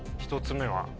１つ目は。